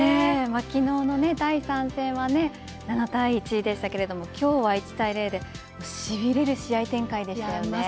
昨日の第３戦は７対１でしたけれども今日は１対０でしびれる試合展開